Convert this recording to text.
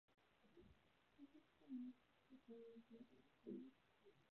而在上游地区则由酋长管领。